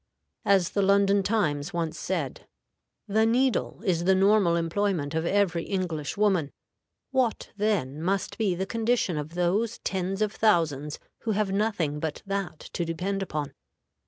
As the London Times once said, "The needle is the normal employment of every English woman; what, then, must be the condition of those tens of thousands who have nothing but that to depend upon?"